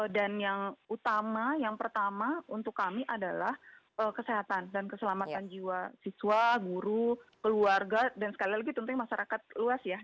dan yang utama yang pertama untuk kami adalah kesehatan dan keselamatan jiwa siswa guru keluarga dan sekali lagi tentunya masyarakat luas ya